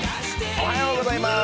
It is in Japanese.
おはようございます。